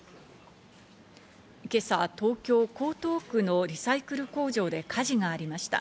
今朝、東京・江東区のリサイクル工場で火事がありました。